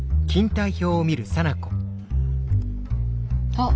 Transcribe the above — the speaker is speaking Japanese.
あっ。